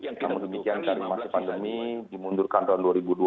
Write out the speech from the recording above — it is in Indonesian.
namun demikian karena masih pandemi dimundurkan tahun dua ribu dua puluh